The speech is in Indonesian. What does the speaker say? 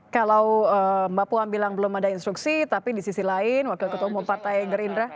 kalau mbak puan bilang belum ada instruksi tapi di sisi lain wakil ketua umum partai gerindra